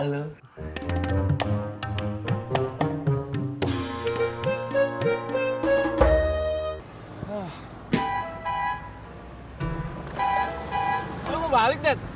lo mau balik dad